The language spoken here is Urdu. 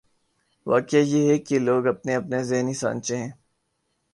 واقعہ یہ ہے کہ لوگوں کے اپنے اپنے ذہنی سانچے ہیں۔